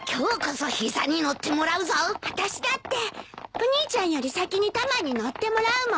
お兄ちゃんより先にタマに乗ってもらうもん！